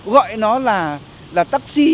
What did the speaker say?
gọi nó là taxi